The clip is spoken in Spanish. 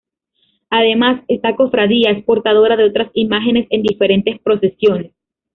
Además, esta cofradía es portadora de otras imágenes en diferentes procesiones.